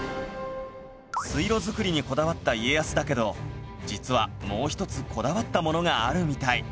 水路造りにこだわった家康だけど実はもう一つこだわったものがあるみたい